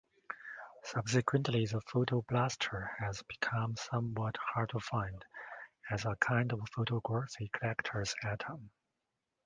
Subsequently the PhotoBlaster has become somewhat hard-to-find, as a kind of photography collector's item.